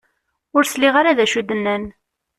Ur sliɣ ara d acu i d-nnan.